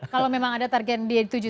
kalau memang ada tarian di tujuh